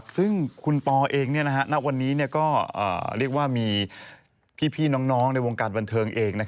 ซึ่งคุณปอเองณวันนี้ก็เรียกว่ามีพี่น้องในวงการบันเทิงเอง